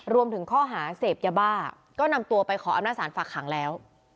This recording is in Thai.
รวมถึงข้อหาเสพยาบ้าก็นำตัวไปขออำนาจศาลฝากขังแล้ว